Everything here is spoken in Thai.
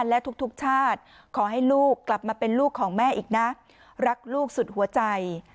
ลูกกลับมาเป็นลูกของแม่อีกนะรักลูกสุดหัวใจ